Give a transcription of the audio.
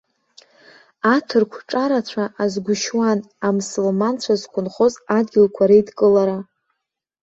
Аҭырқә ҿарацәа азыгәышьуан амсылманцәа зқәынхоз адгьылқәа реидкылара.